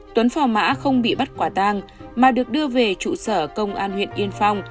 tuấn phò mã không bị bắt quả tang mà được đưa về trụ sở công an huyện yên phong